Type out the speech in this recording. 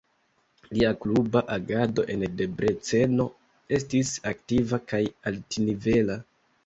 Lia kluba agado en Debreceno estis aktiva kaj altnivela.